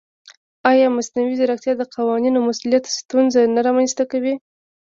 ایا مصنوعي ځیرکتیا د قانوني مسؤلیت ستونزه نه رامنځته کوي؟